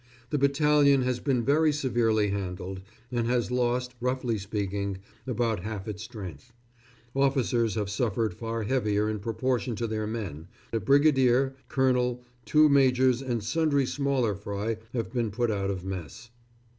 The battalion has been very severely handled, and has lost, roughly speaking, about half its strength. Officers have suffered far heavier in proportion to their men, a brigadier, colonel, two majors and sundry smaller fry have been put out of mess.